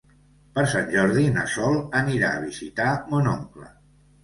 Per Sant Jordi na Sol anirà a visitar mon oncle.